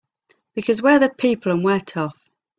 Because we're the people and we're tough!